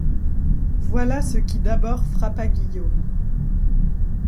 Voilà ce qui d'abord frappa Guillaume.